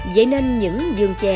vậy nên những giường chè